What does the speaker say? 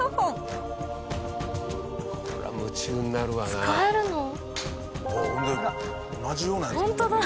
いとう：これは夢中になるわな。